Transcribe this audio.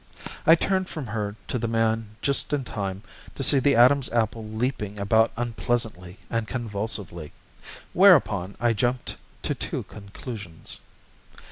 I turned from her to the man just in time to see the Adam's apple leaping about unpleasantly and convulsively. Whereupon I jumped to two conclusions.